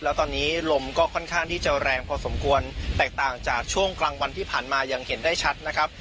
แล้วตอนนี้ลมก็ค่อนข้างที่จะแรงพอสมควรแตกต่างจากช่วงกลางวันที่ผ่านมาอย่างเห็นได้ชัดนะครับ